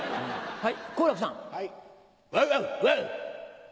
はい。